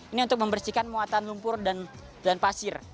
ini untuk membersihkan muatan lumpur dan pasir